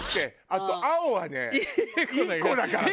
あと青はね１個だからね。